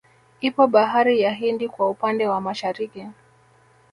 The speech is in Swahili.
Ipo bahari ya Hindi kwa upande wa Mashariki